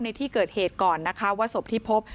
ในที่เกิดเหตุก่อนนะคะว่าศพที่พบ